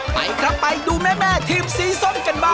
ไปครับไปดูแม่ทีมสีส้มกันบ้าง